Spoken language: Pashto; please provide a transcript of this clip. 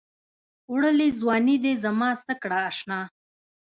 وړلې ځــواني دې زمـا څه کړه اشـنا